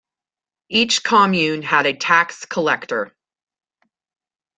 Each commune had a tax collector.